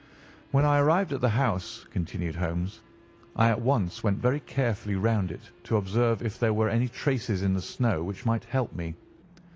"When I arrived at the house," continued Holmes, "I at once went very carefully round it to observe if there were any traces in the snow which might help me.